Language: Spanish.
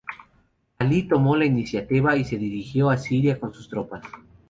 Alí tomó la iniciativa y se dirigió a Siria con sus tropas.